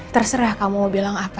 terserah kamu mau bilang apa